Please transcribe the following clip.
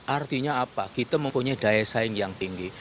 artinya apa kita mempunyai daya saing yang tinggi